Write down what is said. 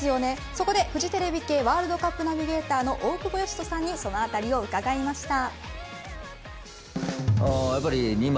そこで、フジテレビ系ワールドカップナビゲーターの大久保嘉人さんにその辺りを伺いました。